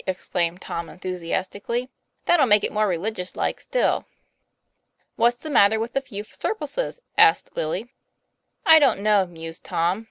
exclaimed Tom, enthusi astically. "That'll make it more religious like, still." "What's the matter with a few surplices?" asked Willie. "I don't know," mused Tom.